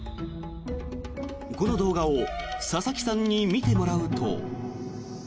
この動画を佐々木さんに見てもらうと。